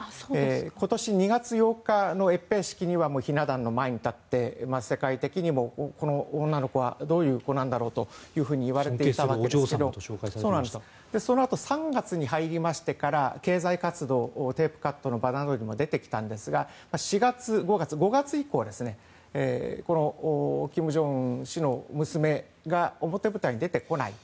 今年２月８日の閲兵式にはひな壇の前に立って世界的にもこの女の子はどういう子なんだろうといわれていたわけですがそのあと３月に入りましてから経済活動テープカットの場などにも出てきたんですが４月５月以降は、この金正恩氏の娘が表舞台に出てこない。